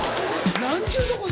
何ちゅうとこで。